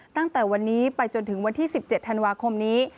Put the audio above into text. ตั้งแต่วันนี้ไปจนถึงวันที่๑๗ธันวาคมนี้